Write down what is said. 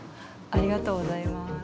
ありがとうございます。